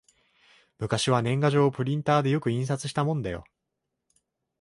昔は年賀状をプリンターでよく印刷したもんだよ